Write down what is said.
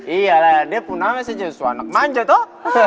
iya lah dia pun namanya sejenis wanak manja tuh